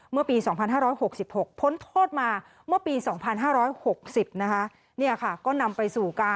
เมื่อปี๒๕๖๖พ้นโทษมาเมื่อปี๒๕๖๐นะคะ